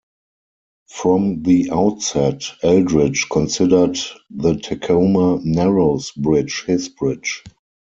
From the outset, Eldridge considered the Tacoma Narrows Bridge his bridge.